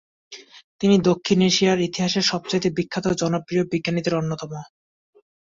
তিনি দক্ষিণ এশিয়ার ইতিহাসের সবচেয়ে বিখ্যাত ও জনপ্রিয় বিজ্ঞানীদের অন্যতম।